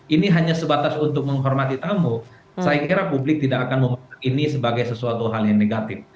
ini hanya sebatas untuk menghormati tamu saya kira publik tidak akan membuat ini sebagai sesuatu hal yang negatif